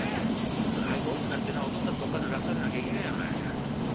早く大きくなってなあお父っつぁんとおっかさん楽させなきゃいけねえよおい。